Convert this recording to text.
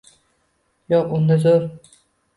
Yo’q undan zo’r